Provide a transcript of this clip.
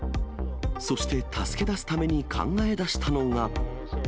そして助け出すために考えだしたのが。